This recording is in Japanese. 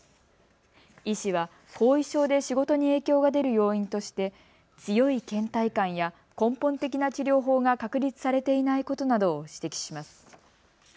医師は後遺症で仕事に影響が出る要因として強いけん怠感や根本的な治療法が確立されていないことなどを指摘します。